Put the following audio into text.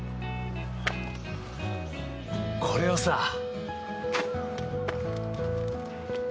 これをさ。